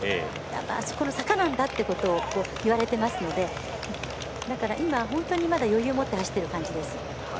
あそこの坂なんだということを言われていますのでなので、今は余裕を持って走っている感じです。